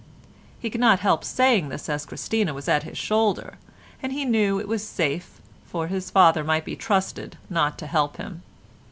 He could not help saying this, as Christina was at his shoulder, and he knew it was safe, for his father might be trusted not to help him.